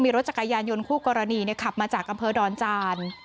รถจักรยานยนต์คู่กรณีขับมาจากอำเภอดอนจาน